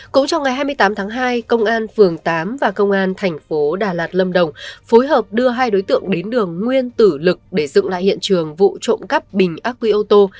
cũng trong ngày hai mươi tám tháng hai công an phường tám và công an thành phố đà lạt lâm đồng phối hợp đưa hai đối tượng đến đường nguyên tử lực để dựng lại hiện trường vụ trộm cắp bình ác quy ô tô